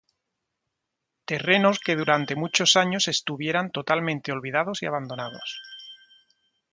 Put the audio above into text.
Terrenos que durante muchos años estuvieran totalmente olvidados y abandonados.